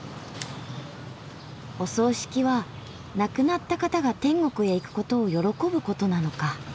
お葬式は亡くなった方が天国へ行くことを喜ぶことなのか。